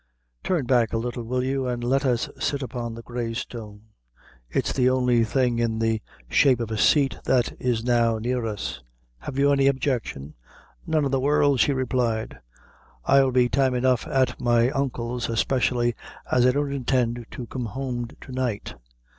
Turn back a little, will you, an' let us sit upon the Grey Stone; it's the only thing in the shape of a seat that is now near us. Have you any objection?" "None in the world," she replied; "I'll be time enough at my uncle's, especially as I don't intend to come home to night."